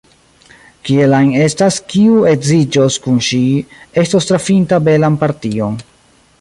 Kiel ajn estas, kiu edziĝos kun ŝi, estos trafinta belan partion.